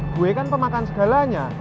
gue kan pemakan segalanya